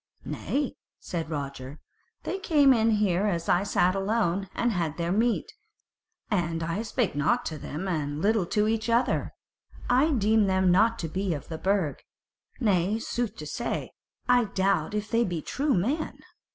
"Nay," said Roger, "they came in here as I sat alone, and had their meat, and spake nought to me, and little to each other. I deem them not to be of the Burg. Nay, sooth to say, I doubt if they be true men."